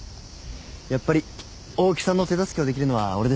やっぱり大木さんの手助けをできるのは俺ですよ。